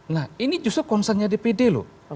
nah ini justru concernnya dpd loh